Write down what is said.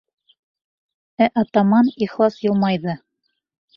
Ә атаман ихлас йылмайҙы.